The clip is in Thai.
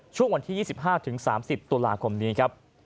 ช่วงวันที่๒๕๓๐ตุลาคมนี้ครับ